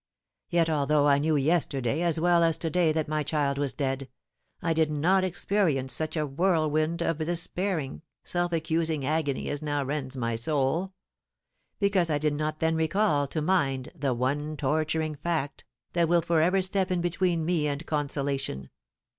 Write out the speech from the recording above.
"Yet although I knew yesterday as well as to day that my child was dead, I did not experience such a whirlwind of despairing, self accusing agony as now rends my soul; because I did not then recall to mind the one torturing fact that will for ever step in between me and consolation.